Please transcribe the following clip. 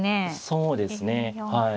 そうですねはい。